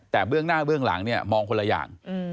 แต่เบื้องหน้าเบื้องหลังเนี่ยมองคนละอย่าง